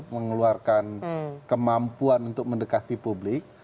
mengeluarkan kemampuan untuk mendekati publik